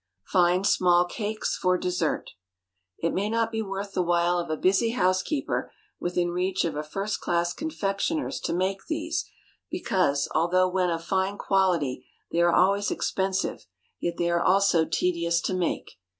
Fine Small Cakes for Dessert. It may not be worth the while of a busy housekeeper within reach of a first class confectioner's to make these, because, although when of fine quality they are always expensive, yet they are also tedious to make.